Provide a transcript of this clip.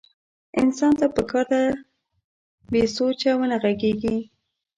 انسان ته پکار ده بې سوچه ونه غږېږي.